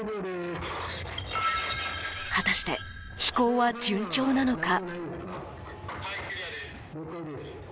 果たして、飛行は順調なのか。